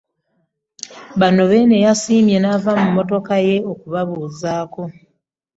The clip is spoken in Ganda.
Bano, Beene yasiimye n'ava mu mmotoka ye okubabuuzaako